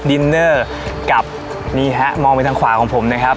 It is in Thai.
แบบนี้นะครับดินเนอร์กับนี่ฮะมองไปทางขวาของผมนะครับ